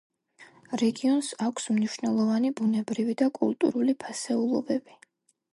რეგიონს აქვს მნიშვნელოვანი ბუნებრივი და კულტურული ფასეულობები.